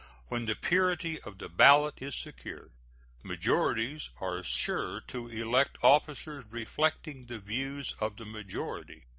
When the purity of the ballot is secure, majorities are sure to elect officers reflecting the views of the majority.